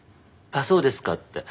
「あっそうですか」って。